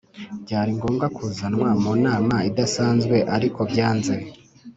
Byari ngombwa kuzanwa mu nama idasanzwe ariko byanze.